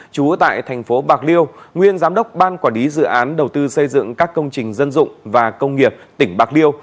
chú tại thành phố bạc liêu nguyên giám đốc ban quản lý dự án đầu tư xây dựng các công trình dân dụng và công nghiệp tỉnh bạc liêu